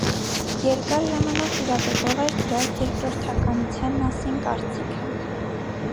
Երկար ժամանակ տիրապետող էր դրա «երկրորդականության» մասին կարծիքը։